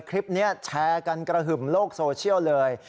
คลิปนี้แชร์กันกระหึ่มโลกโซเชียลเลย